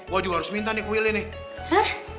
gue juga harus minta nih ke willy nih